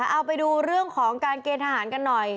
เอาไปดูเรื่องของการเกณฑ์ทหารกันหน่อย